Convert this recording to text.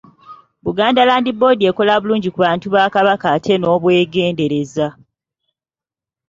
Buganda Land Board ekola bulungi ku bantu ba Kabaka ate n’obwegendereza.